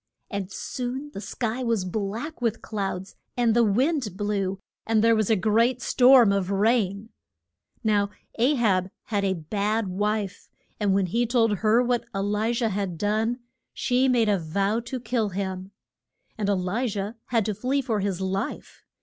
And soon the sky was black with clouds, and the wind blew, and there was a great storm of rain. Now A hab had a bad wife, and when he told her what E li jah had done, she made a vow to kill him. And E li jah had to flee for his life.